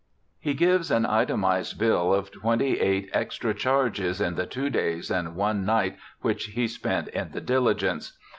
He gives an itemized bill of twenty eight extra charges in the two days and one night which he spent in the diUgence.